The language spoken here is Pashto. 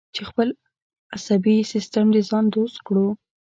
چې خپل عصبي سیستم د ځان دوست کړو.